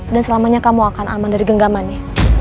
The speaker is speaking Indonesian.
dan selamanya kamu akan aman dari genggamannya